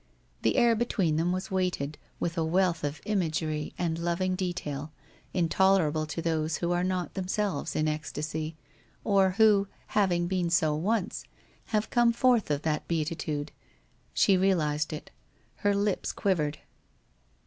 The air between them was weighted with a wealth of imagery and loving detail, intolerable to those who are not themselves in ecstasy, or who, having been so once, have come forth of that beati tude. She realized it. Her lips quivered.